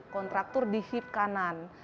kontraktur di hip kanan